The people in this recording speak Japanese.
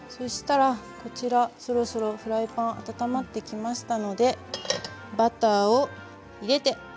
そろそろフライパンが温まってきましたのでバターを入れて。